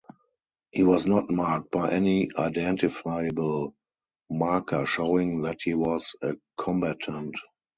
He was not marked by any identifiable marker showing that he was a combatant.